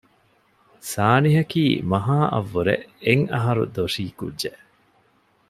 ސާނިހަކީ މަހާ އަށް ވުރެ އެއް އަހަރު ދޮށީ ކުއްޖެއް